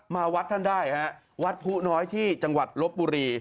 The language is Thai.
วัดท่านได้ฮะวัดผู้น้อยที่จังหวัดลบบุรี